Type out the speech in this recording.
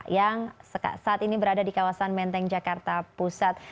yang saat ini berada di kawasan menteng jakarta pusat